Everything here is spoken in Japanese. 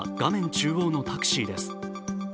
中央のタクシーです。